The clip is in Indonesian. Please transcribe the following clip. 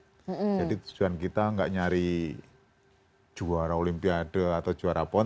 jadi tujuan kita gak nyari juara olimpiade atau juara pon